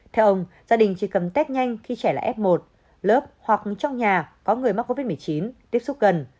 theo ông gia đình chỉ cần test nhanh khi trẻ là f một lớp hoặc trong nhà có người mắc covid một mươi chín tiếp xúc gần